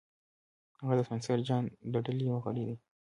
هغه د سپنسر جان د ډلې یو غړی دی